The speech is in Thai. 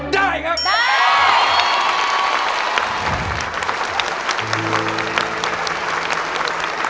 ได้ครับได้